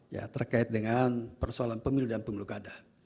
ya terkait dengan persoalan pemilu dan pemilu kada